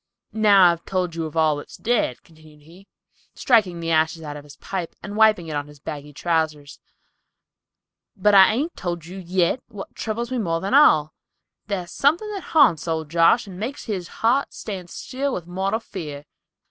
"I've now told you of all that's dead," continued he, striking the ashes out of his pipe and wiping it on his bagging trousers, "but I hain't told you yit what troubles me more than all. Thar's something haunts old Josh, and makes his heart stand still with mortal fear.